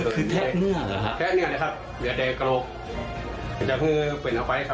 คือแทะเนื้อเหรอครับ